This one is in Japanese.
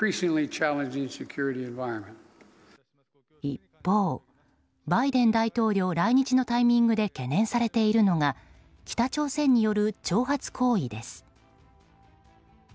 一方、バイデン大統領来日のタイミングで懸念されているのが北朝鮮による挑発行為です。